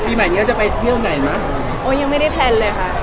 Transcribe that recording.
ค่ะปีใหม่จะไปเที่ยวไหนมั้ยโอ้ยยังไม่ได้แพลนเลยค่ะ